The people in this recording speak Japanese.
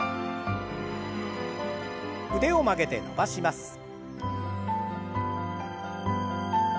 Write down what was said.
腕を曲げて伸ばします。